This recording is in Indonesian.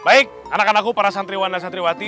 baik anak anakku para santriwan dan santriwati